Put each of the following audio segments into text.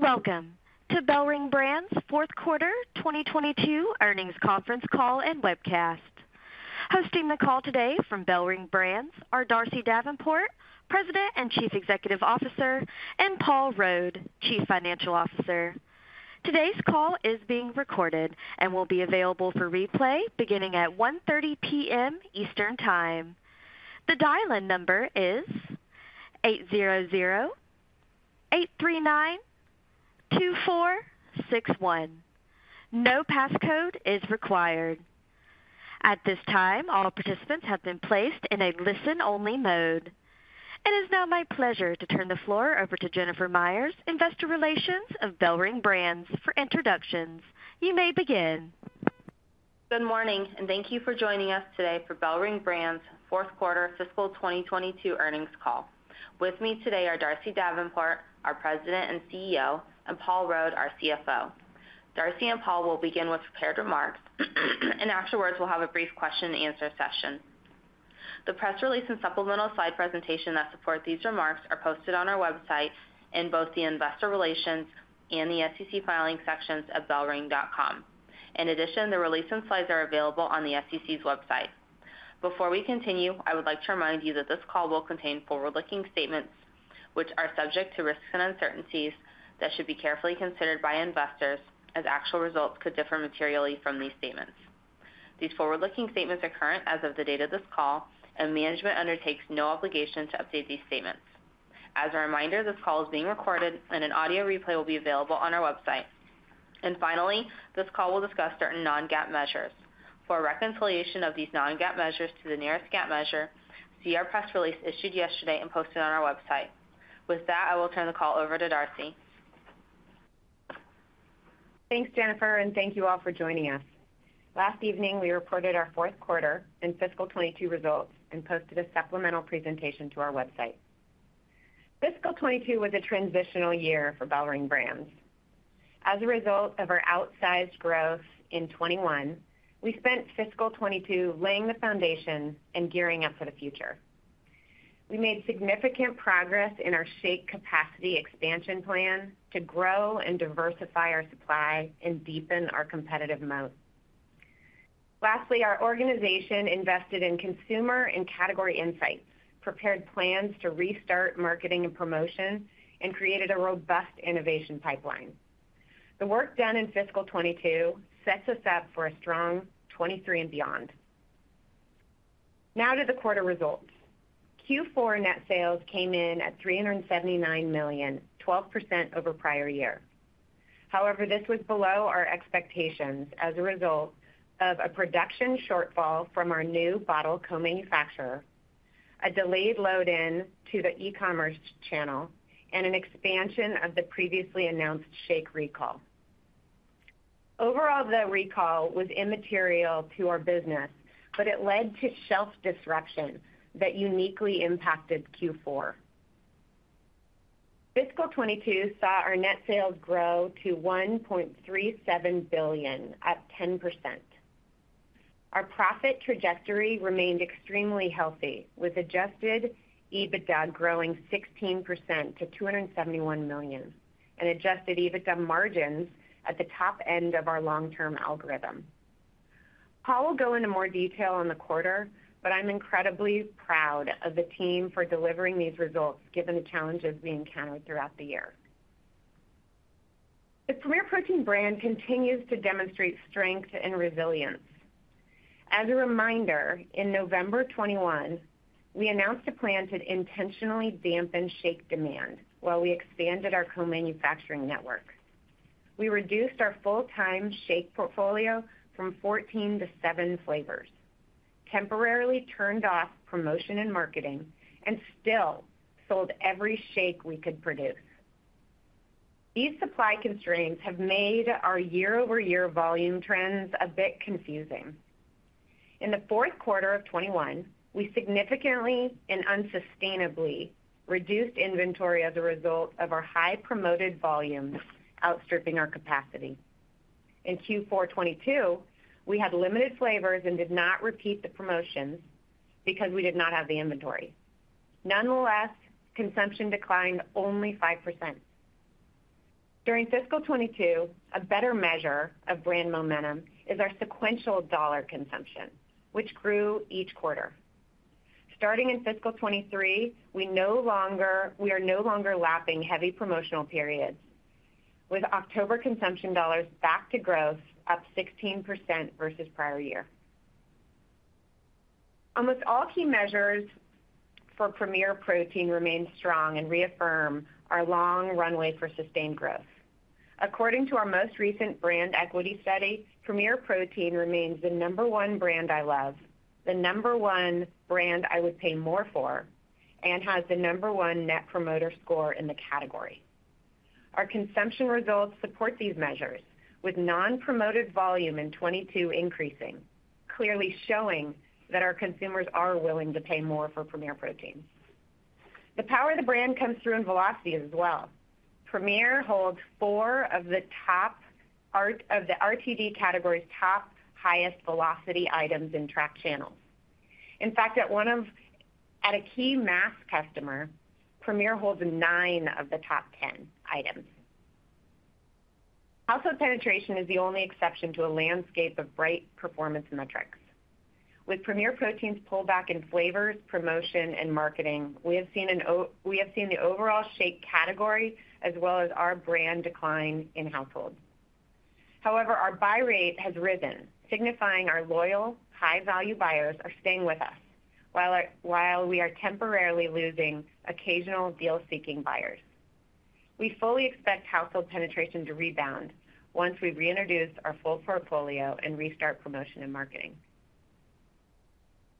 Welcome to BellRing Brands fourth quarter 2022 earnings conference call and webcast. Hosting the call today from BellRing Brands are Darcy Davenport, President and Chief Executive Officer, and Paul Rode, Chief Financial Officer. Today's call is being recorded and will be available for replay beginning at 1:30 P.M. Eastern Time. The dial-in number is 800-839-2461. No passcode is required. At this time, all participants have been placed in a listen-only mode. It is now my pleasure to turn the floor over to Jennifer Meyer, Investor Relations of BellRing Brands, for introductions. You may begin. Good morning, and thank you for joining us today for BellRing Brands fourth quarter fiscal 2022 earnings call. With me today are Darcy Davenport, our President and CEO, and Paul Rode, our CFO. Darcy and Paul will begin with prepared remarks, and afterwards, we'll have a brief question and answer session. The press release and supplemental slide presentation that support these remarks are posted on our website in both the Investor Relations and the SEC Filings sections of bellring.com. In addition, the release and slides are available on the SEC's website. Before we continue, I would like to remind you that this call will contain forward-looking statements which are subject to risks and uncertainties that should be carefully considered by investors as actual results could differ materially from these statements. These forward-looking statements are current as of the date of this call, and management undertakes no obligation to update these statements. As a reminder, this call is being recorded and an audio replay will be available on our website. Finally, this call will discuss certain non-GAAP measures. For a reconciliation of these non-GAAP measures to the nearest GAAP measure, see our press release issued yesterday and posted on our website. With that, I will turn the call over to Darcy. Thanks, Jennifer, and thank you all for joining us. Last evening, we reported our fourth quarter and fiscal 2022 results and posted a supplemental presentation to our website. Fiscal 2022 was a transitional year for BellRing Brands. As a result of our outsized growth in 2021, we spent fiscal 2022 laying the foundation and gearing up for the future. We made significant progress in our shake capacity expansion plan to grow and diversify our supply and deepen our competitive moat. Lastly, our organization invested in consumer and category insights, prepared plans to restart marketing and promotion, and created a robust innovation pipeline. The work done in fiscal 2022 sets us up for a strong 2023 and beyond. Now to the quarter results. Q4 net sales came in at $379 million, 12% over prior year. However, this was below our expectations as a result of a production shortfall from our new bottle co-manufacturer, a delayed load-in to the e-commerce channel, and an expansion of the previously announced shake recall. Overall, the recall was immaterial to our business, but it led to shelf disruption that uniquely impacted Q4. Fiscal 2022 saw our net sales grow to $1.37 billion at 10%. Our profit trajectory remained extremely healthy, with adjusted EBITDA growing 16% to $271 million and adjusted EBITDA margins at the top end of our long-term algorithm. Paul will go into more detail on the quarter, but I'm incredibly proud of the team for delivering these results given the challenges we encountered throughout the year. The Premier Protein brand continues to demonstrate strength and resilience. As a reminder, in November 2021, we announced a plan to intentionally dampen shake demand while we expanded our co-manufacturing network. We reduced our full-time shake portfolio from 14 to seven flavors, temporarily turned off promotion and marketing, and still sold every shake we could produce. These supply constraints have made our year-over-year volume trends a bit confusing. In the fourth quarter of 2021, we significantly and unsustainably reduced inventory as a result of our high promoted volumes outstripping our capacity. In Q4 2022, we had limited flavors and did not repeat the promotions because we did not have the inventory. Nonetheless, consumption declined only 5%. During fiscal 2022, a better measure of brand momentum is our sequential dollar consumption, which grew each quarter. Starting in fiscal 2023, we are no longer lapping heavy promotional periods, with October consumption dollars back to growth up 16% versus prior year. Almost all key measures for Premier Protein remain strong and reaffirm our long runway for sustained growth. According to our most recent brand equity study, Premier Protein remains the number one brand I love, the number one brand I would pay more for, and has the number one Net Promoter Score in the category. Our consumption results support these measures, with non-promoted volume in 2022 increasing, clearly showing that our consumers are willing to pay more for Premier Protein. The power of the brand comes through in velocity as well. Premier holds four of the RTD category's top highest velocity items in tracked channels. In fact, at a key mass customer, Premier holds nine of the top 10 items. Household penetration is the only exception to a landscape of bright performance metrics. With Premier Protein's pullback in flavors, promotion, and marketing, we have seen the overall shake category as well as our brand decline in household. However, our buy rate has risen, signifying our loyal high-value buyers are staying with us, while we are temporarily losing occasional deal-seeking buyers. We fully expect household penetration to rebound once we've reintroduced our full portfolio and restart promotion and marketing.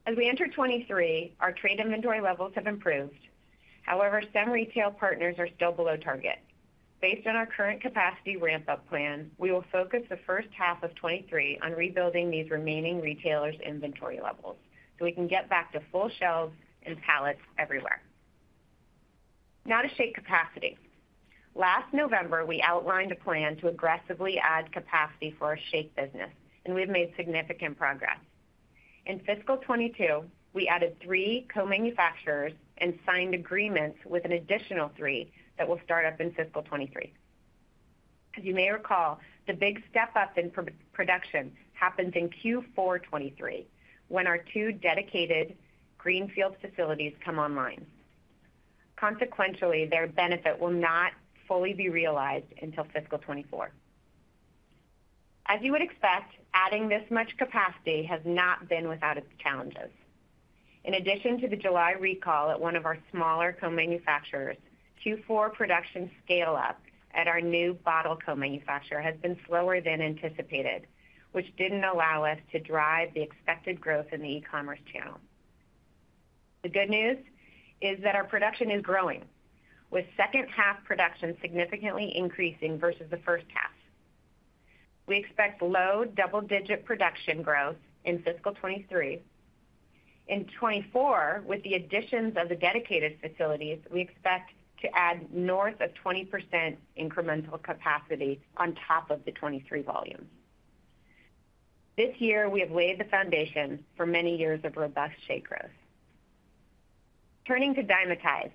As we enter 2023, our trade inventory levels have improved. However, some retail partners are still below target. Based on our current capacity ramp-up plan, we will focus the first half of 2023 on rebuilding these remaining retailers' inventory levels, so we can get back to full shelves and pallets everywhere. Now to shake capacity. Last November, we outlined a plan to aggressively add capacity for our shake business, and we have made significant progress. In fiscal 2022, we added three co-manufacturers and signed agreements with an additional three that will start up in fiscal 2023. As you may recall, the big step-up in production happens in Q4 2023, when our two dedicated greenfield facilities come online. Consequentially, their benefit will not fully be realized until fiscal 2024. As you would expect, adding this much capacity has not been without its challenges. In addition to the July recall at one of our smaller co-manufacturers, Q4 production scale-up at our new bottle co-manufacturer has been slower than anticipated, which didn't allow us to drive the expected growth in the e-commerce channel. The good news is that our production is growing, with second half production significantly increasing versus the first half. We expect low double-digit production growth in fiscal 2023. In 2024, with the additions of the dedicated facilities, we expect to add north of 20% incremental capacity on top of the 2023 volumes. This year, we have laid the foundation for many years of robust shake growth. Turning to Dymatize.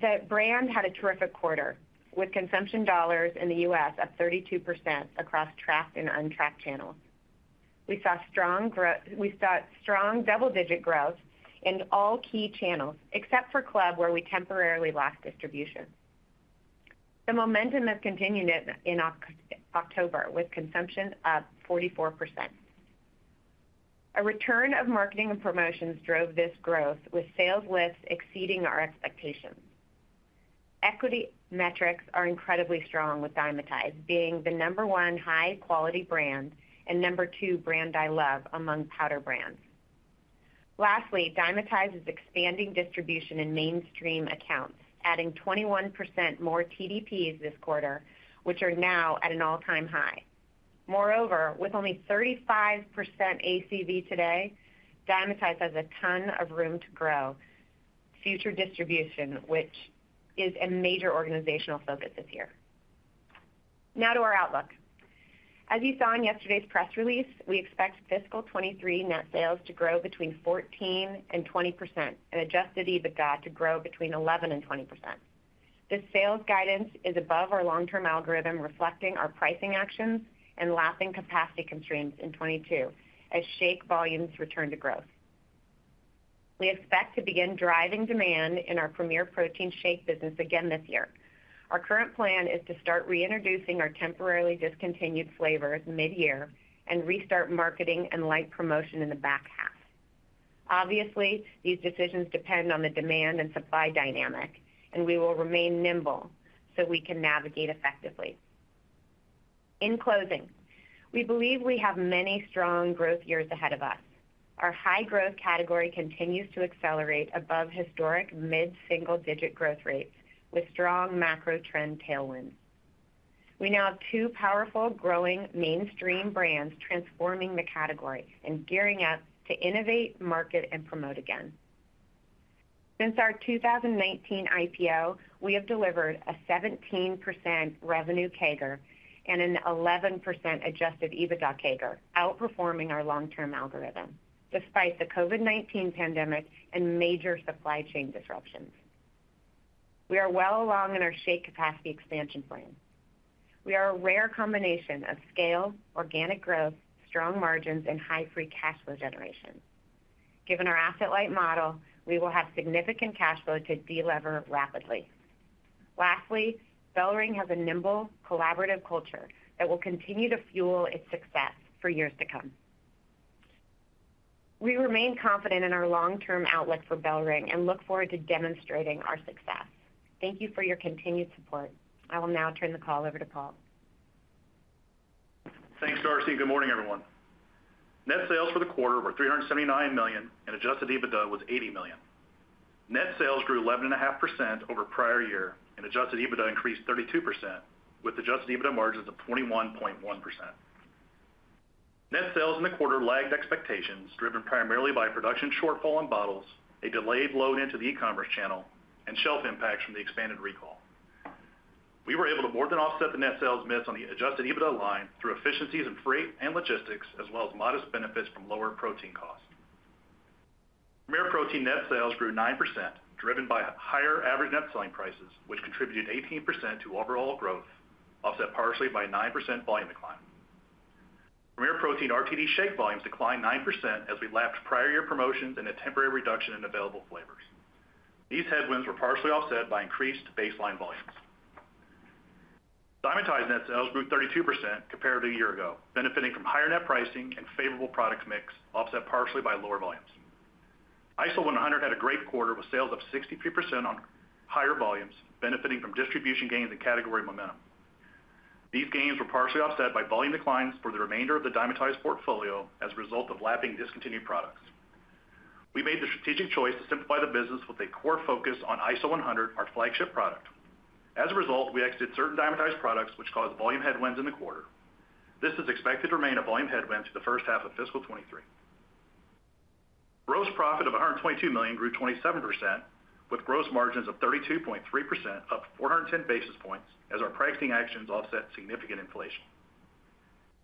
The brand had a terrific quarter, with consumption dollars in the U.S. up 32% across tracked and untracked channels. We saw strong double-digit growth in all key channels, except for Club, where we temporarily lost distribution. The momentum has continued in October, with consumption up 44%. A return of marketing and promotions drove this growth, with sales lifts exceeding our expectations. Equity metrics are incredibly strong, with Dymatize being the number one high-quality brand and number two brand I love among powder brands. Lastly, Dymatize is expanding distribution in mainstream accounts, adding 21% more TDPs this quarter, which are now at an all-time high. Moreover, with only 35% ACV today, Dymatize has a ton of room to grow future distribution, which is a major organizational focus this year. Now to our outlook. As you saw in yesterday's press release, we expect fiscal 2023 net sales to grow between 14% and 20%, and adjusted EBITDA to grow between 11% and 20%. This sales guidance is above our long-term algorithm, reflecting our pricing actions and lapping capacity constraints in 2022 as shake volumes return to growth. We expect to begin driving demand in our Premier Protein shake business again this year. Our current plan is to start reintroducing our temporarily discontinued flavors mid-year and restart marketing and light promotion in the back half. Obviously, these decisions depend on the demand and supply dynamic, and we will remain nimble so we can navigate effectively. In closing, we believe we have many strong growth years ahead of us. Our high-growth category continues to accelerate above historic mid-single-digit growth rates with strong macro trend tailwinds. We now have two powerful growing mainstream brands transforming the category and gearing up to innovate, market, and promote again. Since our 2019 IPO, we have delivered a 17% revenue CAGR and an 11% adjusted EBITDA CAGR, outperforming our long-term algorithm despite the COVID-19 pandemic and major supply chain disruptions. We are well along in our shake capacity expansion plan. We are a rare combination of scale, organic growth, strong margins, and high free cash flow generation. Given our asset-light model, we will have significant cash flow to de-lever rapidly. Lastly, BellRing has a nimble, collaborative culture that will continue to fuel its success for years to come. We remain confident in our long-term outlook for BellRing and look forward to demonstrating our success. Thank you for your continued support. I will now turn the call over to Paul. Thanks, Darcy. Good morning, everyone. Net sales for the quarter were $379 million, and Adjusted EBITDA was $80 million. Net sales grew 11.5% over prior year, and Adjusted EBITDA increased 32% with Adjusted EBITDA margins of 21.1%. Net sales in the quarter lagged expectations driven primarily by production shortfall in bottles, a delayed load into the e-commerce channel, and shelf impacts from the expanded recall. We were able to more than offset the net sales miss on the Adjusted EBITDA line through efficiencies in freight and logistics, as well as modest benefits from lower protein costs. Premier Protein net sales grew 9%, driven by higher average net selling prices, which contributed 18% to overall growth, offset partially by 9% volume decline. Premier Protein RTD shake volumes declined 9% as we lapped prior year promotions and a temporary reduction in available flavors. These headwinds were partially offset by increased baseline volumes. Dymatize net sales grew 32% compared to a year ago, benefiting from higher net pricing and favorable product mix, offset partially by lower volumes. ISO100 had a great quarter with sales of 63% on higher volumes, benefiting from distribution gains and category momentum. These gains were partially offset by volume declines for the remainder of the Dymatize portfolio as a result of lapping discontinued products. We made the strategic choice to simplify the business with a core focus on ISO100, our flagship product. As a result, we exited certain Dymatize products which caused volume headwinds in the quarter. This is expected to remain a volume headwind through the first half of fiscal 2023. Gross profit of a hundred and twenty-two million grew twenty-seven percent, with gross margins of thirty-two point three percent, up four hundred and ten basis points as our pricing actions offset significant inflation.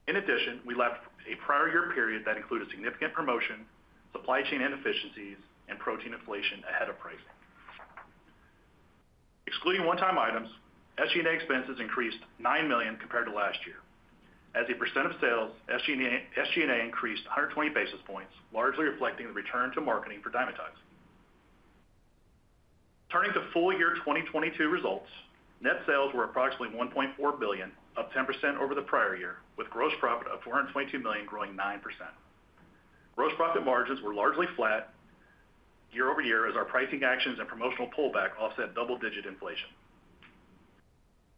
In addition, we lapped a prior year period that included significant promotion, supply chain inefficiencies and protein inflation ahead of pricing. Excluding one-time items, SG&A expenses increased nine million compared to last year. As a percent of sales, SG&A, SG&A increased a hundred and twenty basis points, largely reflecting the return to marketing for Dymatize. Turning to full year twenty twenty-two results, net sales were approximately one point four billion, up ten percent over the prior year, with gross profit of four hundred and twenty-two million growing nine percent. Gross profit margins were largely flat year over year as our pricing actions and promotional pullback offset double-digit inflation.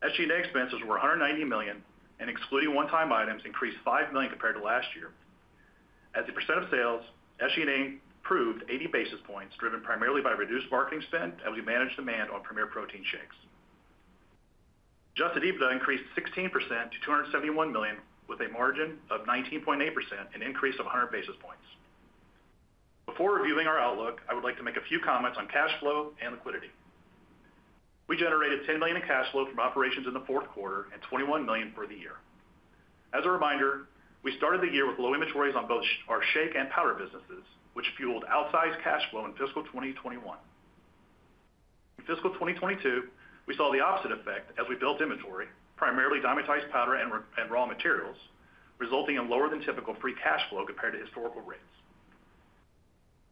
SG&A expenses were $190 million, and excluding one-time items, increased $5 million compared to last year. As a % of sales, SG&A improved 80 basis points, driven primarily by reduced marketing spend as we managed demand on Premier Protein shakes. Adjusted EBITDA increased 16% to $271 million, with a margin of 19.8%, an increase of 100 basis points. Before reviewing our outlook, I would like to make a few comments on cash flow and liquidity. We generated $10 million in cash flow from operations in the fourth quarter and $21 million for the year. As a reminder, we started the year with low inventories on both our shake and powder businesses, which fueled outsized cash flow in fiscal 2021. In fiscal 2022, we saw the opposite effect as we built inventory, primarily Dymatize powder and raw materials, resulting in lower than typical free cash flow compared to historical rates.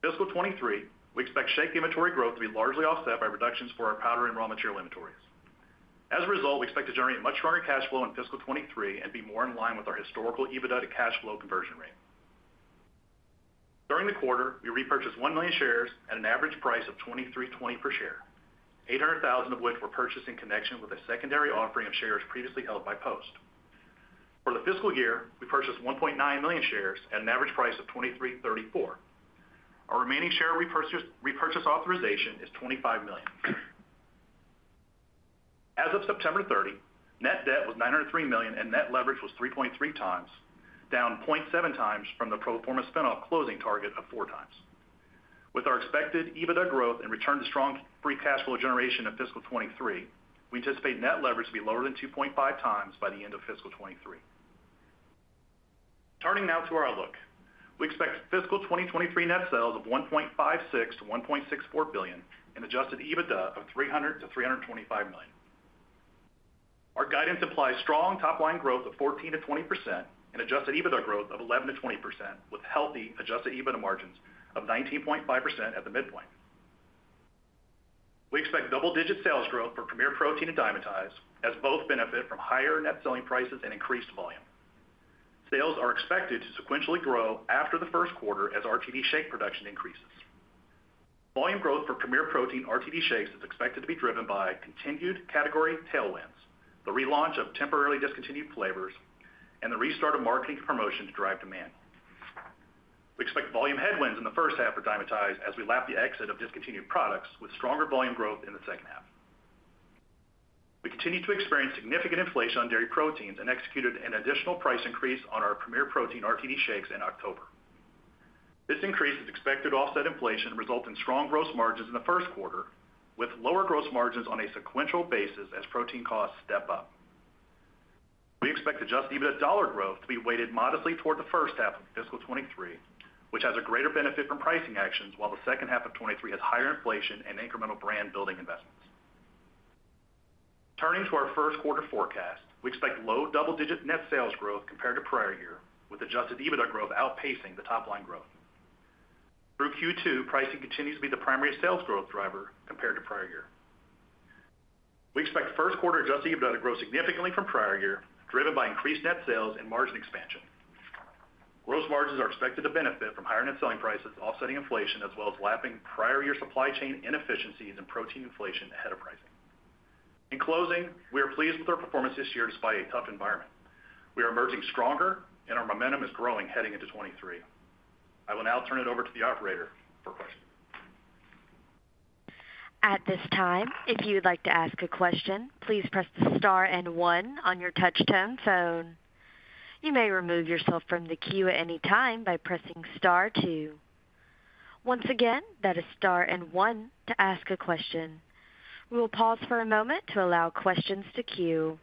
Fiscal 2023, we expect shake inventory growth to be largely offset by reductions for our powder and raw material inventories. As a result, we expect to generate much stronger cash flow in fiscal 2023 and be more in line with our historical EBITDA to cash flow conversion rate. During the quarter, we repurchased 1 million shares at an average price of $23.20 per share, 800,000 of which were purchased in connection with a secondary offering of shares previously held by Post. For the fiscal year, we purchased 1.9 million shares at an average price of $23.34. Our remaining share repurchase authorization is $25 million. As of September 30, net debt was $903 million, and net leverage was 3.3x, down 0.7x from the pro forma spin-off closing target of 4x. With our expected EBITDA growth and return to strong free cash flow generation in fiscal 2023, we anticipate net leverage to be lower than 2.5x by the end of fiscal 2023. Turning now to our outlook. We expect fiscal 2023 net sales of $1.56 billion-$1.64 billion and adjusted EBITDA of $300 million-$325 million. Our guidance implies strong top line growth of 14%-20% and adjusted EBITDA growth of 11%-20%, with healthy adjusted EBITDA margins of 19.5% at the midpoint. We expect double-digit sales growth for Premier Protein and Dymatize as both benefit from higher net selling prices and increased volume. Sales are expected to sequentially grow after the first quarter as RTD shake production increases. Volume growth for Premier Protein RTD shakes is expected to be driven by continued category tailwinds, the relaunch of temporarily discontinued flavors, and the restart of marketing promotions to drive demand. We expect volume headwinds in the first half for Dymatize as we lap the exit of discontinued products with stronger volume growth in the second half. We continue to experience significant inflation on dairy proteins and executed an additional price increase on our Premier Protein RTD shakes in October. This increase is expected to offset inflation and result in strong gross margins in the first quarter, with lower gross margins on a sequential basis as protein costs step up. We expect adjusted EBITDA dollar growth to be weighted modestly toward the first half of fiscal 2023, which has a greater benefit from pricing actions, while the second half of 2023 has higher inflation and incremental brand-building investments. Turning to our first quarter forecast, we expect low double-digit net sales growth compared to prior year, with adjusted EBITDA growth outpacing the top-line growth. Through Q2, pricing continues to be the primary sales growth driver compared to prior year. We expect first quarter adjusted EBITDA to grow significantly from prior year, driven by increased net sales and margin expansion. Gross margins are expected to benefit from higher net selling prices offsetting inflation as well as lapping prior-year supply chain inefficiencies and protein inflation ahead of pricing. In closing, we are pleased with our performance this year despite a tough environment. We are emerging stronger and our momentum is growing heading into 2023. I will now turn it over to the operator for questions. At this time, if you would like to ask a question, please press the star and one on your touch-tone phone. You may remove yourself from the queue at any time by pressing star two. Once again, that is star and one to ask a question. We will pause for a moment to allow questions to queue.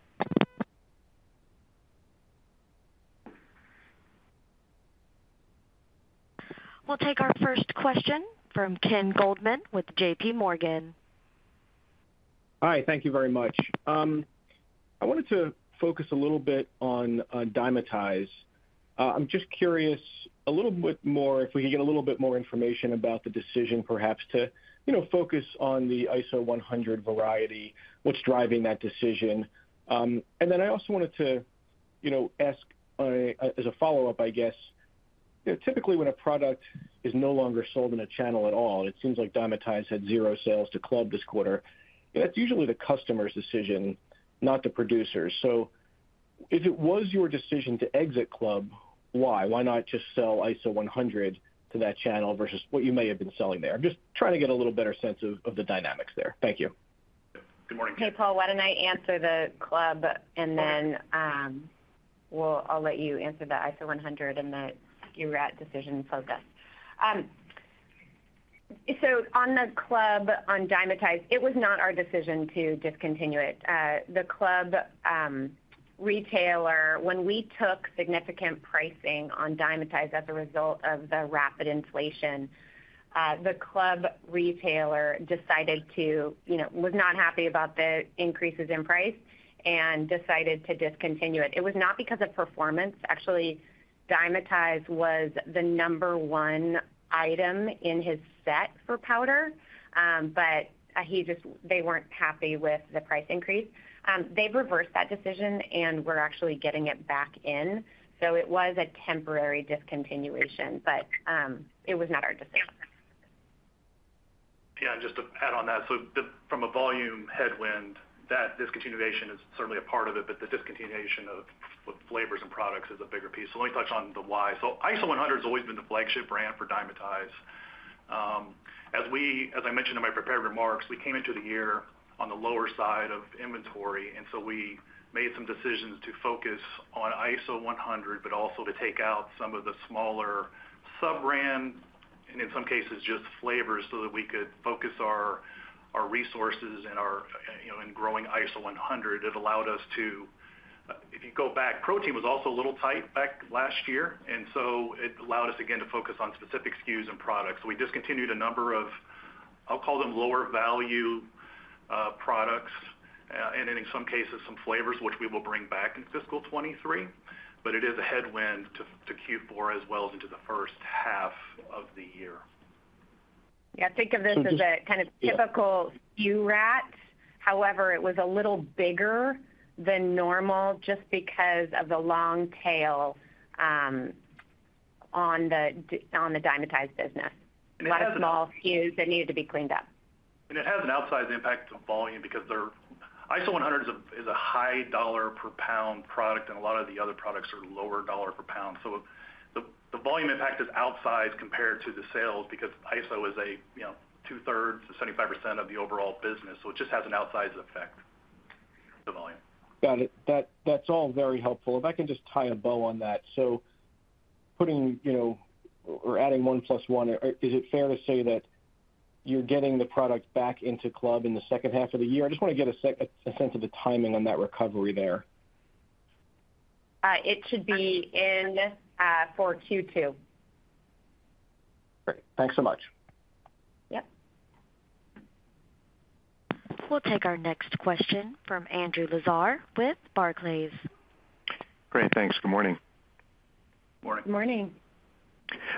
We'll take our first question from Ken Goldman with JPMorgan. Hi, thank you very much. I wanted to focus a little bit on Dymatize. I'm just curious a little bit more if we could get a little bit more information about the decision perhaps to, you know, focus on the ISO100 variety, what's driving that decision. I also wanted to, you know, ask as a follow-up, I guess. You know, typically when a product is no longer sold in a channel at all, it seems like Dymatize had 0 sales to club this quarter. That's usually the customer's decision, not the producer's. If it was your decision to exit club, why? Why not just sell ISO100 to that channel versus what you may have been selling there? I'm just trying to get a little better sense of the dynamics there. Thank you. Good morning, Ken. Hey, Paul. Why don't I answer the club, and then I'll let you answer the ISO100 and the SKU rat decision focus. On the club, on Dymatize, it was not our decision to discontinue it. When we took significant pricing on Dymatize as a result of the rapid inflation, the club retailer, you know, was not happy about the increases in price and decided to discontinue it. It was not because of performance. Actually, Dymatize was the number one item in his set for powder, but they weren't happy with the price increase. They've reversed that decision, and we're actually getting it back in. It was a temporary discontinuation, but it was not our decision. Yeah, just to add on that. From a volume headwind, that discontinuation is certainly a part of it, but the discontinuation of flavors and products is a bigger piece. Let me touch on the why. ISO100 has always been the flagship brand for Dymatize. As I mentioned in my prepared remarks, we came into the year on the lower side of inventory, and so we made some decisions to focus on ISO100, but also to take out some of the smaller sub-brands, and in some cases, just flavors so that we could focus our resources and our, you know, in growing ISO100. If you go back, protein was also a little tight back last year, and so it allowed us again to focus on specific SKUs and products. We discontinued a number of, I'll call them, lower value products and in some cases, some flavors, which we will bring back in fiscal 2023. It is a headwind to Q4 as well as into the first half of the year. Yeah, think of this as a kind of typical SKU rationalization. However, it was a little bigger than normal just because of the long tail on the Dymatize business. It has an. A lot of small SKUs that needed to be cleaned up. It has an outsized impact to volume because ISO100 is a high dollar per pound product, and a lot of the other products are lower dollar per pound. The volume impact is outsized compared to the sales because ISO is a, you know, 2/3 to 75% of the overall business. It just has an outsized effect to volume. Got it. That's all very helpful. If I can just tie a bow on that. Putting, you know, or adding one plus one, or is it fair to say that you're getting the product back into club in the second half of the year? I just want to get a sense of the timing on that recovery there. It should be in for Q2. Great. Thanks so much. Yep. We'll take our next question from Andrew Lazar with Barclays. Great. Thanks. Good morning. Morning. Morning.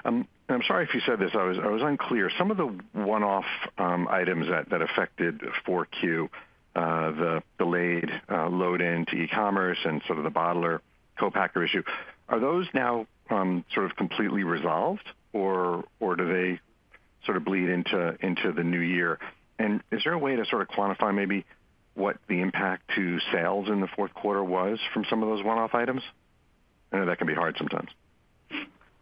I'm sorry if you said this. I was unclear. Some of the one-off items that affected Q4, the delayed load into e-commerce and sort of the bottler co-packer issue, are those now sort of completely resolved? Do they sort of bleed into the new year? Is there a way to sort of quantify maybe what the impact to sales in the fourth quarter was from some of those one-off items? I know that can be hard sometimes.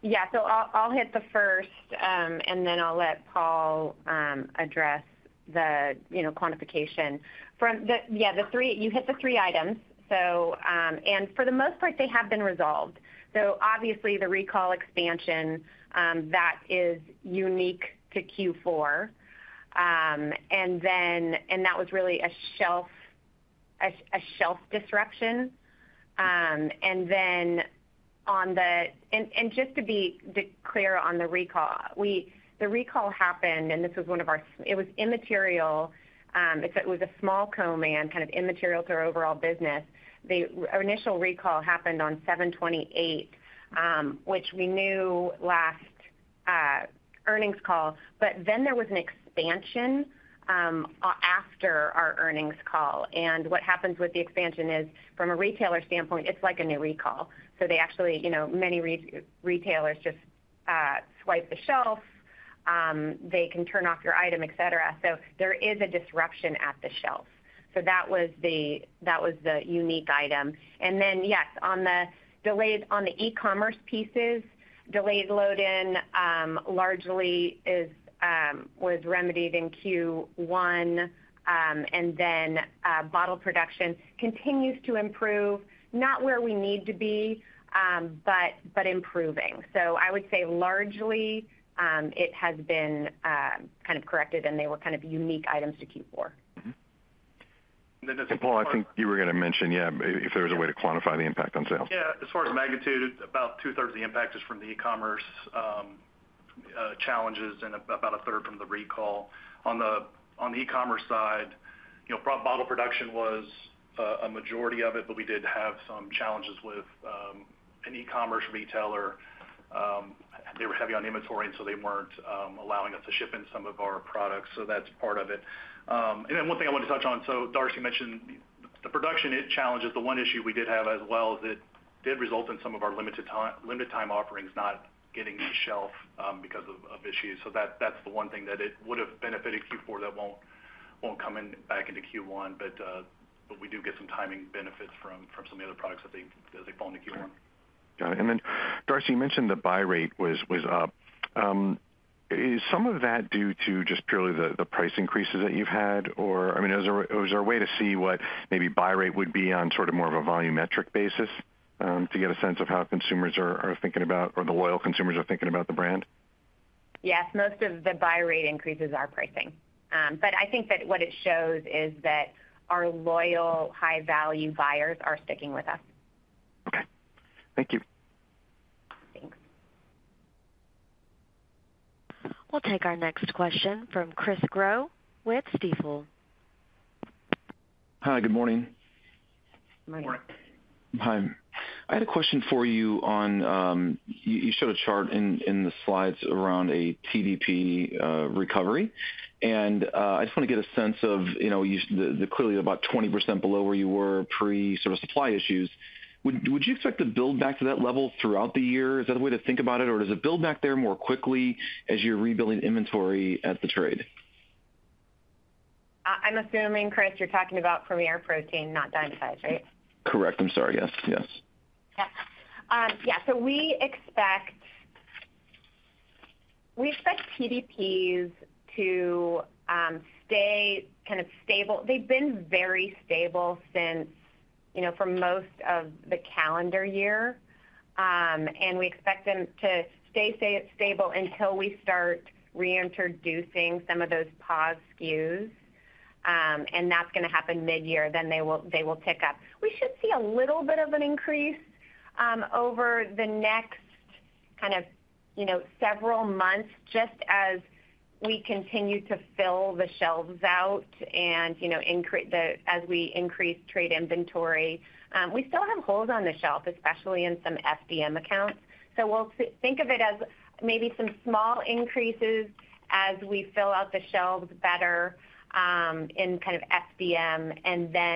Yeah. I'll hit the first and then I'll let Paul address the, you know, quantification. You hit the three items. For the most part, they have been resolved. Obviously the recall expansion that is unique to Q4. That was really a shelf disruption. Just to be clear on the recall, the recall happened, and this was immaterial. It was a small co-man, kind of immaterial to our overall business. The initial recall happened on 7/28, which we knew last earnings call. There was an expansion after our earnings call. What happens with the expansion is, from a retailer standpoint, it's like a new recall. They actually, you know, many retailers just wipe the shelf. They can turn off your item, et cetera. There is a disruption at the shelf. That was the unique item. Yes, on the e-commerce pieces, delayed load-in largely was remedied in Q1. Bottle production continues to improve, not where we need to be, but improving. I would say largely, it has been kind of corrected, and they were kind of unique items to Q4. Mm-hmm. Paul, I think you were gonna mention, yeah, if there was a way to quantify the impact on sales. Yeah. As far as magnitude, about 2/3 of the impact is from the e-commerce challenges and about 1/3 from the recall. On the e-commerce side, you know, bottle production was a majority of it, but we did have some challenges with an e-commerce retailer. They were heavy on inventory, and so they weren't allowing us to ship in some of our products. That's part of it. One thing I wanted to touch on, so Darcy mentioned the production challenges. The one issue we did have as well is it did result in some of our limited time offerings not getting to shelf because of issues. That's the one thing that it would have benefited Q4 that won't come in back into Q1. We do get some timing benefits from some of the other products as they fall into Q1. Got it. Darcy, you mentioned the buy rate was up. Is some of that due to just purely the price increases that you've had? I mean, is there a way to see what maybe buy rate would be on sort of more of a volumetric basis to get a sense of how consumers are thinking about or the loyal consumers are thinking about the brand? Yes, most of the buy rate increases are pricing. I think that what it shows is that our loyal high-value buyers are sticking with us. Okay. Thank you. Thanks. We'll take our next question from Chris Growe with Stifel. Hi, good morning. Morning. Morning. Hi. I had a question for you on you showed a chart in the slides around a TDP recovery. I just want to get a sense of, you know, clearly about 20% below where you were pre sort of supply issues. Would you expect to build back to that level throughout the year? Is that a way to think about it? Does it build back there more quickly as you're rebuilding inventory at the trade? I'm assuming, Chris, you're talking about Premier Protein, not Dymatize, right? Correct. I'm sorry. Yes, yes. Okay. Yeah. We expect TDPs to stay kind of stable. They've been very stable, you know, for most of the calendar year. We expect them to stay stable until we start reintroducing some of those paused SKUs, and that's gonna happen mid-year, then they will pick up. We should see a little bit of an increase over the next kind of, you know, several months just as we continue to fill the shelves out and, you know, as we increase trade inventory. We still have holes on the shelf, especially in some FDM accounts. We'll think of it as maybe some small increases as we fill out the shelves better in kind of FDM.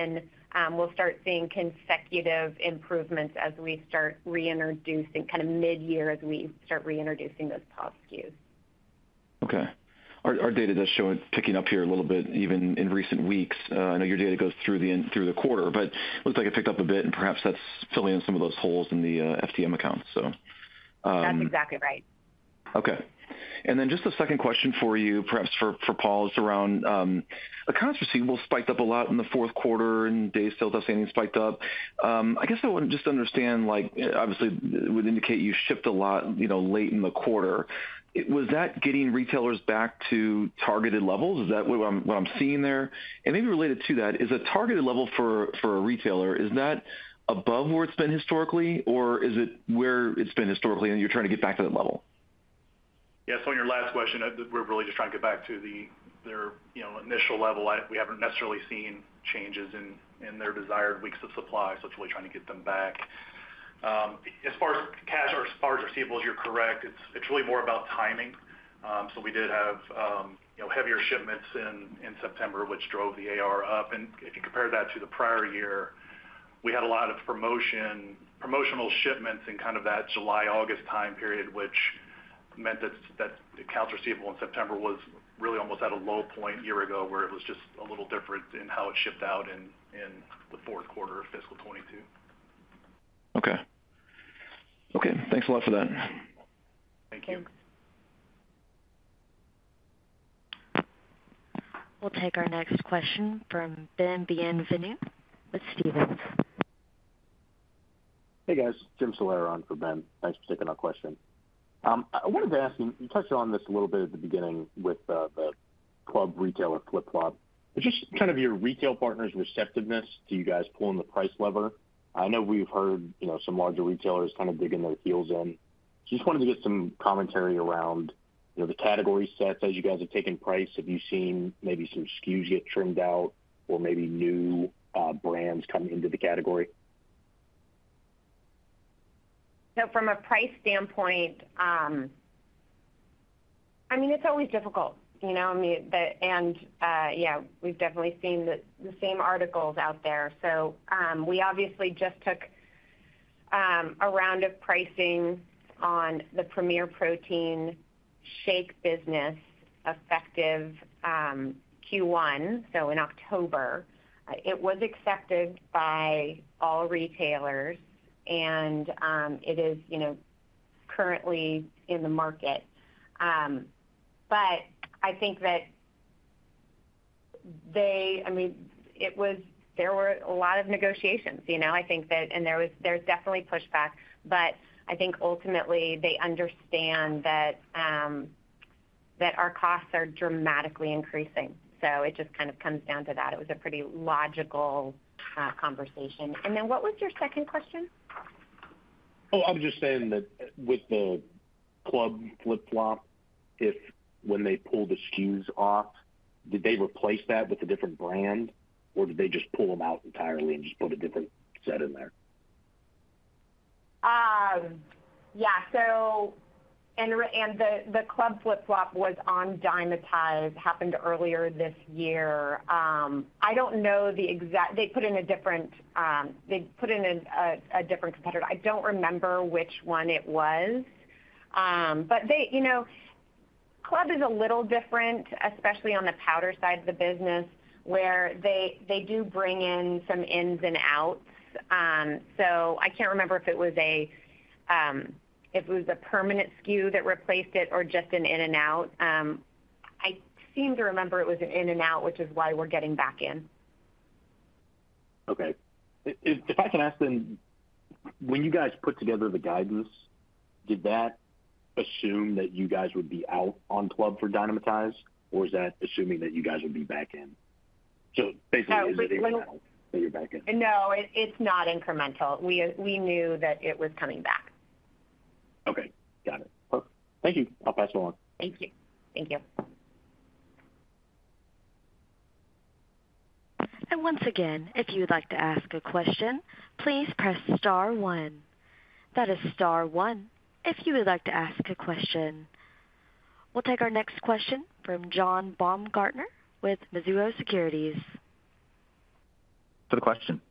We'll start seeing consecutive improvements as we start reintroducing kind of mid-year as we start reintroducing those paused SKUs. Okay. Our data does show it picking up here a little bit, even in recent weeks. I know your data goes through the quarter, but looks like it picked up a bit, and perhaps that's filling in some of those holes in the FDM accounts. That's exactly right. Just a second question for you, perhaps for Paul, is around accounts receivable spiked up a lot in the fourth quarter and days sales outstanding spiked up. I guess I want to just understand, like, obviously it would indicate you shipped a lot, you know, late in the quarter. Was that getting retailers back to targeted levels? Is that what I'm seeing there? Maybe related to that, is a targeted level for a retailer, is that above where it's been historically? Is it where it's been historically and you're trying to get back to that level? Yeah. On your last question, we're really just trying to get back to their, you know, initial level. We haven't necessarily seen changes in their desired weeks of supply, so it's really trying to get them back. As far as cash or as far as receivables, you're correct. It's really more about timing. We did have, you know, heavier shipments in September, which drove the A.R. up. If you compare that to the prior year, we had a lot of promotional shipments in kind of that July, August time period, which meant that the accounts receivable in September was really almost at a low point year ago where it was just a little different in how it shipped out in the fourth quarter of fiscal 2022. Okay, thanks a lot for that. Thank you. Thanks. We'll take our next question from Ben Bienvenu with Stephens. Hey, guys. Jim Salera on for Ben. Thanks for taking our question. I wanted to ask you touched on this a little bit at the beginning with the club retailer flip-flop. Just kind of your retail partners' receptiveness to you guys pulling the price lever. I know we've heard, you know, some larger retailers kind of digging their heels in. Just wanted to get some commentary around, you know, the category sets as you guys have taken price. Have you seen maybe some SKUs get trimmed out or maybe new brands coming into the category? From a price standpoint, I mean, it's always difficult, you know? I mean, yeah, we've definitely seen the same articles out there. We obviously just took a round of pricing on the Premier Protein shake business effective Q1, so in October. It was accepted by all retailers and it is, you know, currently in the market. I think that, I mean, there were a lot of negotiations, you know? There's definitely pushback, but I think ultimately they understand that our costs are dramatically increasing. It just kind of comes down to that. It was a pretty logical conversation. What was your second question? Oh, I was just saying that with the Club flip-flop, when they pull the SKUs off, did they replace that with a different brand, or did they just pull them out entirely and just put a different set in there? Yeah. Club flip-flop was on Dymatize, happened earlier this year. They put in a different competitor. I don't remember which one it was. You know, Club is a little different, especially on the powder side of the business, where they do bring in some ins and outs. I can't remember if it was a permanent SKU that replaced it or just an in and out. I seem to remember it was an in and out, which is why we're getting back in. Okay. If I can ask then, when you guys put together the guidance, did that assume that you guys would be out on Club for Dymatize, or is that assuming that you guys would be back in? Basically, is it incremental or you're back in? No, it's not incremental. We knew that it was coming back. Okay, got it. Well, thank you. I'll pass along. Thank you. Thank you. Once again, if you would like to ask a question, please press star one. That is star one, if you would like to ask a question. We'll take our next question from John Baumgartner with Mizuho Securities. For the question.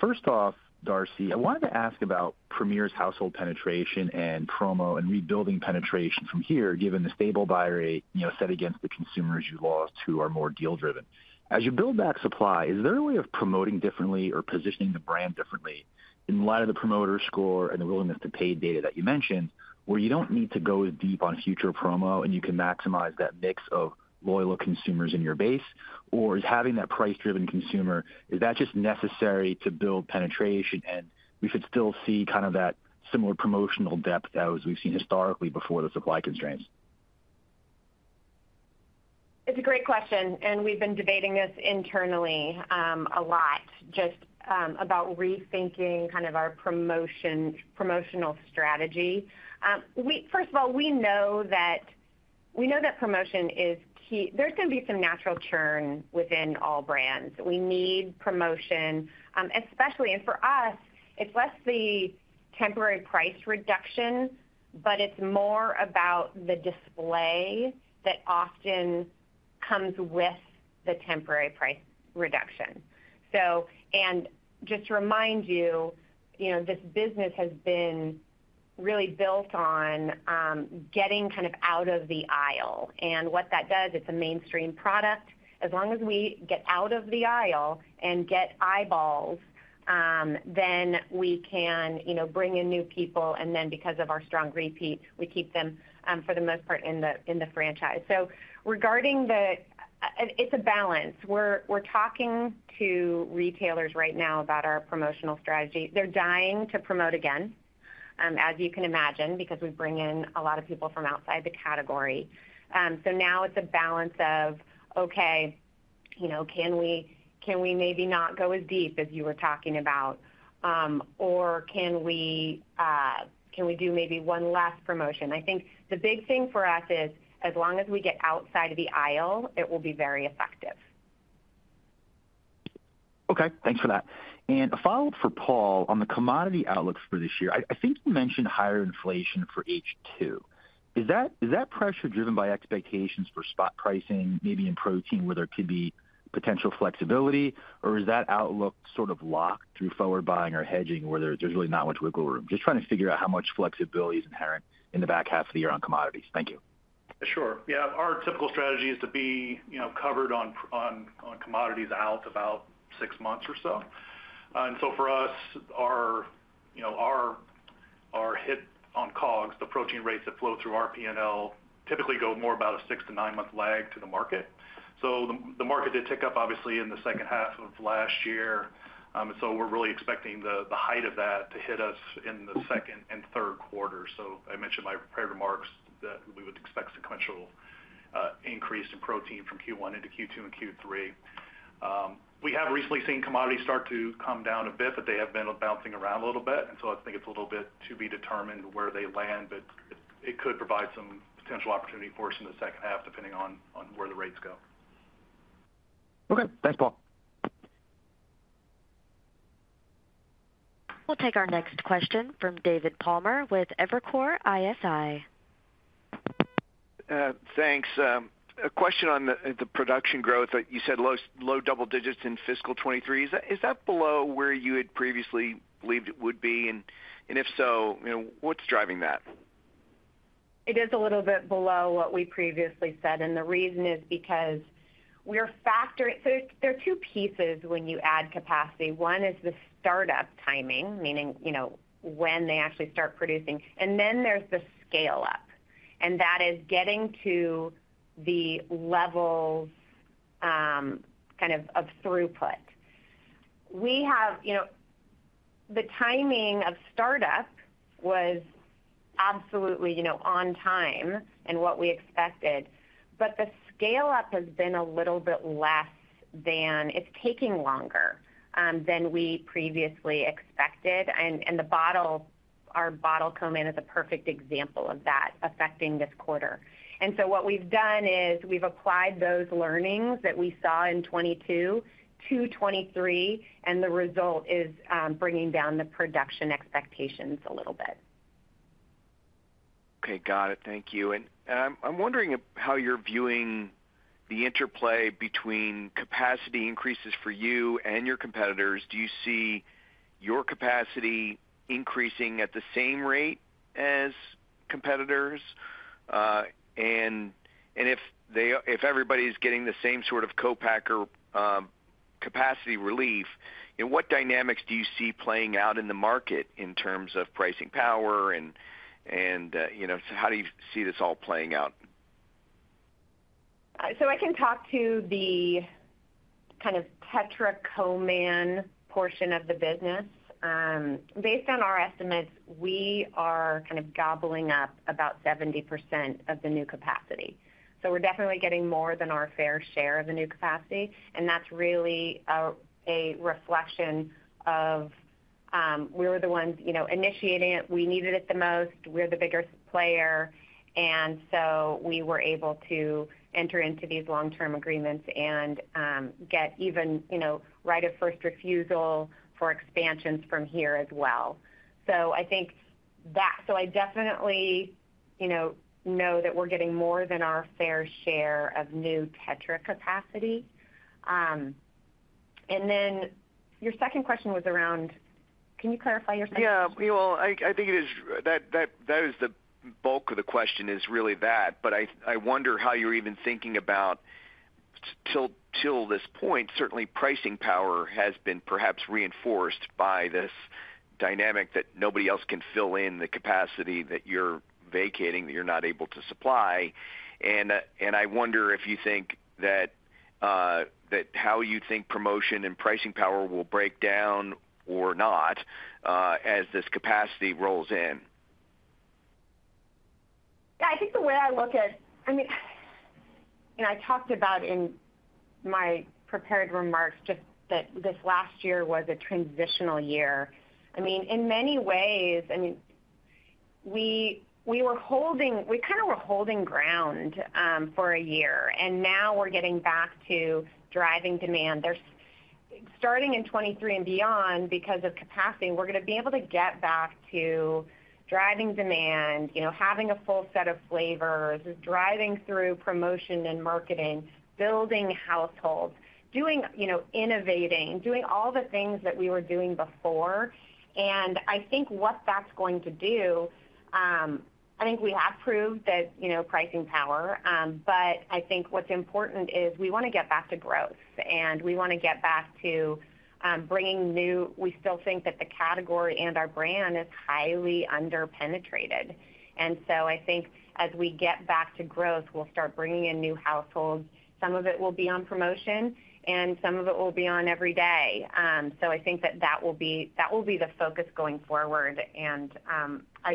First off, Darcy, I wanted to ask about Premier's household penetration and promo and rebuilding penetration from here, given the stable buy rate, you know, set against the consumers you lost who are more deal-driven. As you build back supply, is there a way of promoting differently or positioning the brand differently in light of the promoter score and the willingness to pay data that you mentioned, where you don't need to go as deep on future promo and you can maximize that mix of loyal consumers in your base? Is having that price-driven consumer just necessary to build penetration and we should still see kind of that similar promotional depth as we've seen historically before the supply constraints? It's a great question, and we've been debating this internally a lot, just about rethinking kind of our promotional strategy. First of all, we know that promotion is key. There's gonna be some natural churn within all brands. We need promotion especially. For us, it's less the temporary price reduction, but it's more about the display that often comes with the temporary price reduction. Just to remind you know, this business has been really built on getting kind of out of the aisle. What that does, it's a mainstream product. As long as we get out of the aisle and get eyeballs, then we can, you know, bring in new people, and then because of our strong repeat, we keep them for the most part in the franchise. It's a balance. We're talking to retailers right now about our promotional strategy. They're dying to promote again, as you can imagine, because we bring in a lot of people from outside the category. Now it's a balance of, okay, you know, can we maybe not go as deep as you were talking about? Can we do maybe one last promotion? I think the big thing for us is, as long as we get outside of the aisle, it will be very effective. Okay. Thanks for that. A follow-up for Paul on the commodity outlooks for this year. I think you mentioned higher inflation for H2. Is that pressure driven by expectations for spot pricing, maybe in protein, where there could be potential flexibility? Is that outlook sort of locked through forward buying or hedging, where there's really not much wiggle room? Just trying to figure out how much flexibility is inherent in the back half of the year on commodities. Thank you. Sure. Yeah, our typical strategy is to be, you know, covered on commodities out about six months or so. For us, our, you know, our hit on COGS, the protein rates that flow through our P&L typically go more about a six to nine-month lag to the market. The market did tick up obviously in the second half of last year. We're really expecting the height of that to hit us in the second and third quarter. I mentioned in my prepared remarks that we would expect sequential increase in protein from Q1 into Q2 and Q3. We have recently seen commodities start to come down a bit, but they have been bouncing around a little bit, and so I think it's a little bit to be determined where they land, but it could provide some potential opportunity for us in the second half, depending on where the rates go. Okay. Thanks, Paul. We'll take our next question from David Palmer with Evercore ISI. Thanks. A question on the production growth. You said low double digits in fiscal 2023. Is that below where you had previously believed it would be? If so, you know, what's driving that? It is a little bit below what we previously said. There are two pieces when you add capacity. One is the startup timing, meaning, you know, when they actually start producing. There's the scale-up, and that is getting to the levels, kind of throughput. The timing of startup was absolutely, you know, on time and what we expected. It's taking longer than we previously expected. Our bottle co-man is a perfect example of that affecting this quarter. What we've done is we've applied those learnings that we saw in 2022-2023, and the result is bringing down the production expectations a little bit. Okay. Got it. Thank you. I'm wondering how you're viewing the interplay between capacity increases for you and your competitors. Do you see your capacity increasing at the same rate as competitors? If everybody's getting the same sort of co-packer capacity relief, what dynamics do you see playing out in the market in terms of pricing power and, you know, how do you see this all playing out? I can talk to the kind of Tetra co-man portion of the business. Based on our estimates, we are kind of gobbling up about 70% of the new capacity. We're definitely getting more than our fair share of the new capacity, and that's really a reflection of we were the ones, you know, initiating it. We needed it the most. We're the bigger player, and so we were able to enter into these long-term agreements and get even, you know, right of first refusal for expansions from here as well. I definitely, you know that we're getting more than our fair share of new Tetra capacity. Your second question was around. Can you clarify your second question? Yeah. Well, that is the bulk of the question, is really that. I wonder how you're even thinking about till this point. Certainly, pricing power has been perhaps reinforced by this dynamic that nobody else can fill in the capacity that you're vacating, that you're not able to supply. I wonder if you think that how you think promotion and pricing power will break down or not as this capacity rolls in. Yeah, I mean, you know, I talked about in my prepared remarks just that this last year was a transitional year. I mean, in many ways, I mean, we kinda were holding ground for a year, and now we're getting back to driving demand. Starting in 2023 and beyond, because of capacity, we're gonna be able to get back to driving demand, you know, having a full set of flavors, driving through promotion and marketing, building households, doing, you know, innovating, doing all the things that we were doing before. I think we have proved that, you know, pricing power. I think what's important is we wanna get back to growth, and we wanna get back to bringing new. We still think that the category and our brand is highly under-penetrated. I think as we get back to growth, we'll start bringing in new households. Some of it will be on promotion, and some of it will be on every day. I think that that will be the focus going forward. I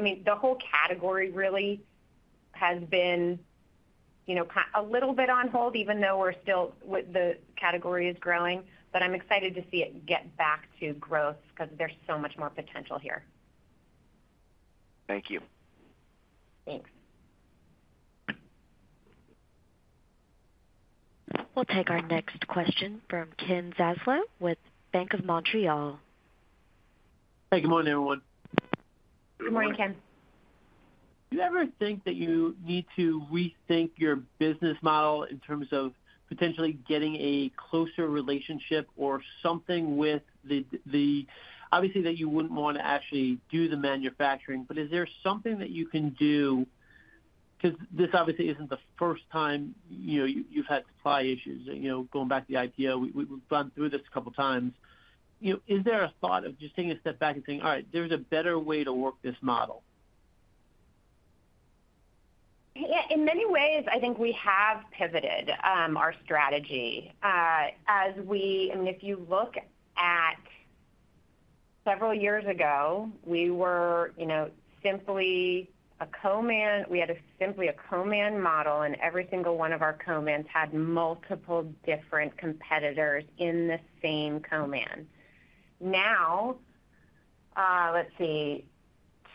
mean, the whole category really has been, you know, a little bit on hold, even though the category is growing. I'm excited to see it get back to growth 'cause there's so much more potential here. Thank you. Thanks. We'll take our next question from Ken Zaslow with Bank of Montreal. Hey, good morning, everyone. Good morning, Ken. Do you ever think that you need to rethink your business model in terms of potentially getting a closer relationship or something? Obviously, that you wouldn't wanna actually do the manufacturing, but is there something that you can do? 'Cause this obviously isn't the first time, you know, you've had supply issues. You know, going back to the IPO, we've gone through this a couple times. You know, is there a thought of just taking a step back and saying, All right, there's a better way to work this model? Yeah. In many ways, I think we have pivoted, um, our strategy. Uh, as we... I mean, if you look at several years ago, we were, you know, simply a co-man. We had a simply a co-man model, and every single one of our co-mans had multiple different competitors in the same co-man. Now, uh, let's see.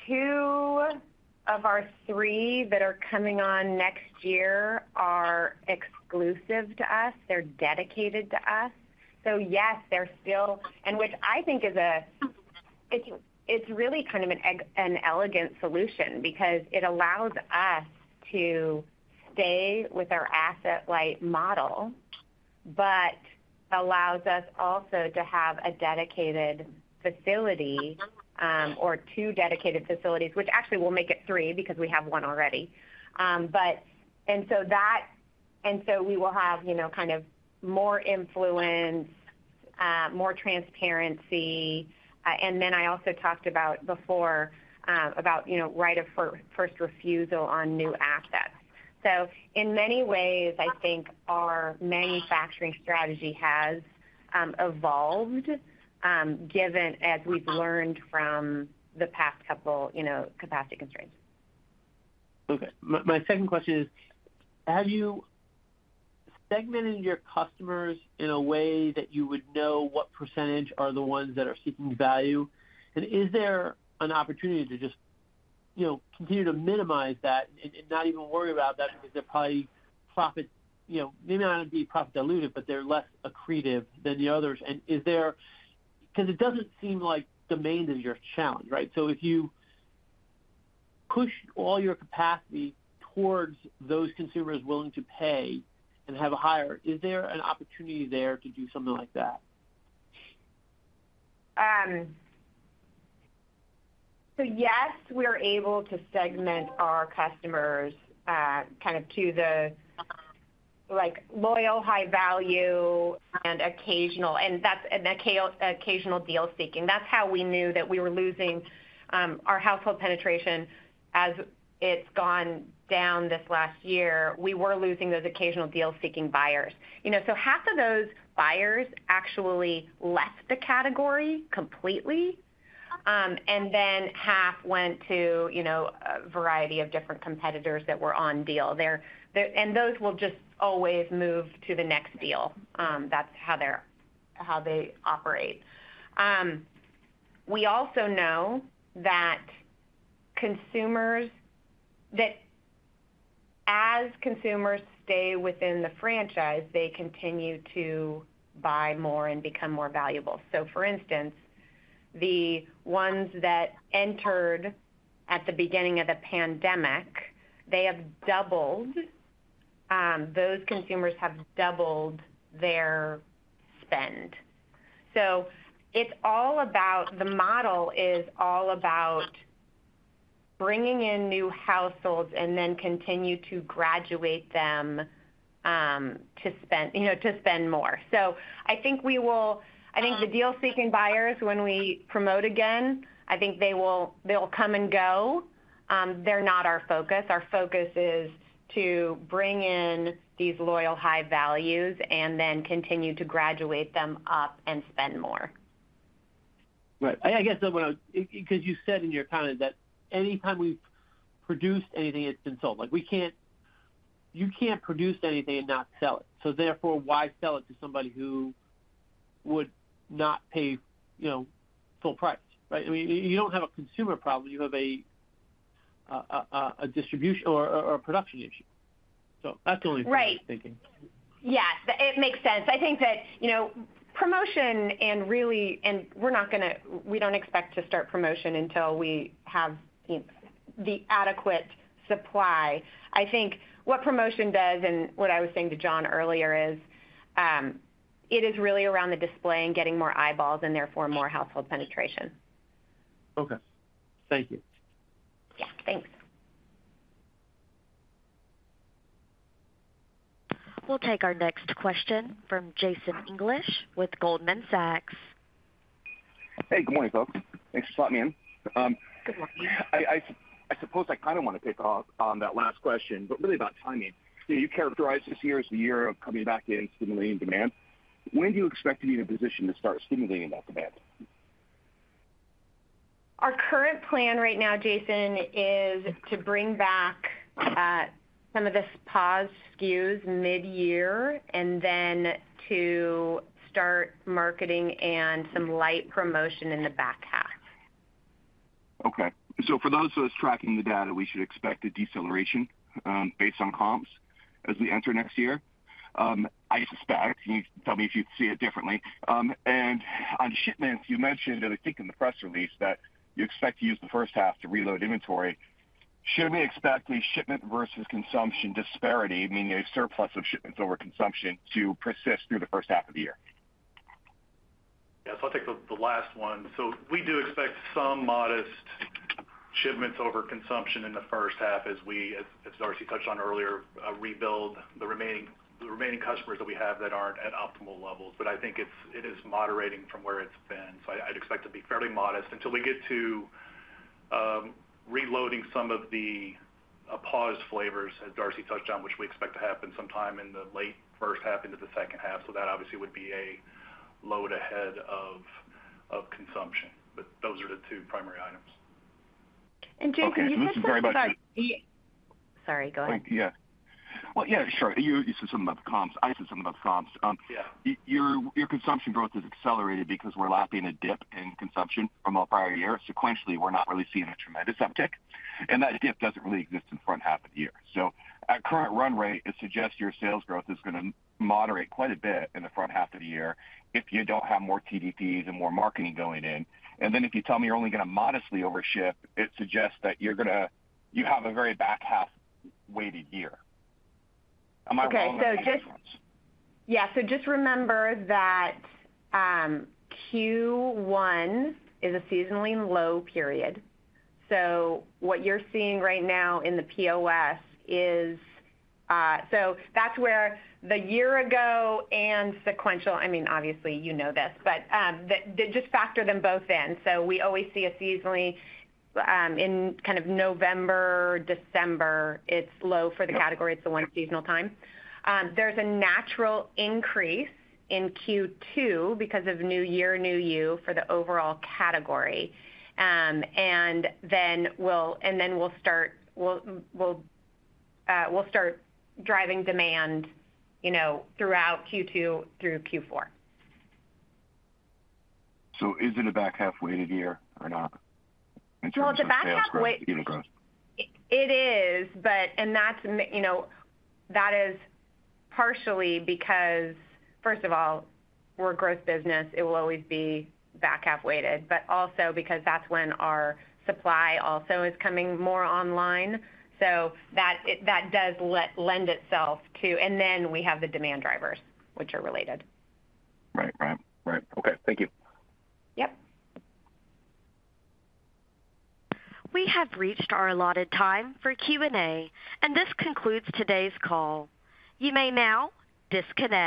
Two of our three that are coming on next year are exclusive to us. They're dedicated to us. So yes, they're still... And which I think is a-- it's really kind of an eg- an elegant solution because it allows us to stay with our asset-light model, but allows us also to have a dedicated facility, um, or two dedicated facilities, which actually will make it three because we have one already. Um, but-- And so that-- And so we will have, you know, kind of more influence, uh, more transparency. I also talked about before about, you know, right of first refusal on new assets. In many ways, I think our manufacturing strategy has evolved, given as we've learned from the past couple, you know, capacity constraints. Okay. My second question is, have you segmented your customers in a way that you would know what % are the ones that are seeking value? Is there an opportunity to just, you know, continue to minimize that and not even worry about that because they're probably profit, you know, maybe not be profit dilutive, but they're less accretive than the others? Because it doesn't seem like demand is your challenge, right? If you push all your capacity towards those consumers willing to pay and have a higher, is there an opportunity there to do something like that? Yes, we are able to segment our customers kind of to the, like, loyal high value and occasional. That's occasional deal seeking. That's how we knew that we were losing our household penetration as it's gone down this last year. We were losing those occasional deal-seeking buyers. You know, half of those buyers actually left the category completely. Half went to, you know, a variety of different competitors that were on deal there. Those will just always move to the next deal. That's how they operate. We also know that as consumers stay within the franchise, they continue to buy more and become more valuable. For instance, the ones that entered at the beginning of the pandemic, they have doubled. Those consumers have doubled their spend. The model is all about bringing in new households and then continue to graduate them, you know, to spend more. I think the deal-seeking buyers, when we promote again, I think they'll come and go. They're not our focus. Our focus is to bring in these loyal high values and then continue to graduate them up and spend more. Right. Because you said in your comment that anytime we've produced anything, it's been sold. Like you can't produce anything and not sell it. Therefore, why sell it to somebody who would not pay, you know, full price, right? I mean, you don't have a consumer problem. You have a distribution or a production issue. That's the only thing I'm thinking. Right. Yes, it makes sense. I think that, you know, we don't expect to start promotion until we have, you know, the adequate supply. I think what promotion does, and what I was saying to John earlier is, it is really around the display and getting more eyeballs and therefore more household penetration. Okay. Thank you. Yeah, thanks. We'll take our next question from Jason English with Goldman Sachs. Hey, good morning, folks. Thanks for letting me in. Good morning. I suppose I kinda wanna pick up on that last question, but really about timing. You characterized this year as the year of coming back and stimulating demand. When do you expect to be in a position to start stimulating that demand? Our current plan right now, Jason, is to bring back some of these paused SKUs mid-year and then to start marketing and some light promotion in the back half. Okay. For those of us tracking the data, we should expect a deceleration based on comps as we enter next year. I suspect, you tell me if you see it differently. On shipments, you mentioned, I think in the press release, that you expect to use the first half to reload inventory. Should we expect the shipment versus consumption disparity, meaning a surplus of shipments over consumption, to persist through the first half of the year? Yes, I'll take the last one. We do expect some modest shipments over consumption in the first half as we, as Darcy touched on earlier, rebuild the remaining customers that we have that aren't at optimal levels. I think it is moderating from where it's been. I'd expect to be fairly modest until we get to reloading some of the paused flavors as Darcy touched on, which we expect to happen sometime in the late first half into the second half. That obviously would be a load ahead of consumption. Those are the two primary items. Jason, can you touch a little bit about the? Okay. Sorry, go ahead. Yeah. Well, yeah, sure. You said something about the comps. I said something about comps. Yeah. Your consumption growth has accelerated because we're lapping a dip in consumption from a prior year. Sequentially, we're not really seeing a tremendous uptick, and that dip doesn't really exist in the front half of the year. At current run rate, it suggests your sales growth is gonna moderate quite a bit in the front half of the year if you don't have more TDPs and more marketing going in. If you tell me you're only gonna modestly overship, it suggests that you have a very back half weighted year. Am I wrong on my maths? Okay. Just remember that Q1 is a seasonally low period. What you're seeing right now in the POS is that's where the year ago and sequential, I mean, obviously, you know this, but just factor them both in. We always see a seasonally in kind of November, December, it's low for the category. It's the one seasonal time. There's a natural increase in Q2 because of New Year, New You for the overall category. We'll start driving demand, you know, throughout Q2-Q4. Is it a back half weighted year or not in terms of sales growth, unit growth? Well, it is. That is, you know, partially because, first of all, we're a growth business. It will always be back half weighted, but also because that's when our supply also is coming more online. That does lend itself to. We have the demand drivers, which are related. Right. Okay. Thank you. Yep. We have reached our allotted time for Q&A, and this concludes today's call. You may now disconnect.